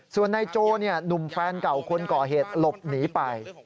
ส่วนนายโจหนุ่มแฟนเก่าคนก่อเหตุหลบหนีไป